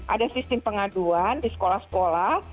ada sistem pengaduan di sekolah sekolah